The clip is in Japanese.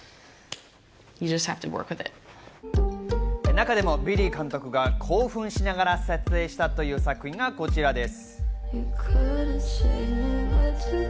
中でもビリー監督が興奮しながら撮影したという作品がこちらです。